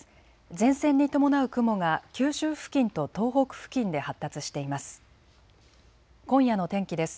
前線に伴う雲が九州付近と東北付近で発達しています。